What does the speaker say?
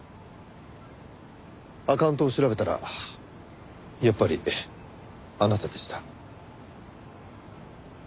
アカウントを調べたらやっぱりあなたでした。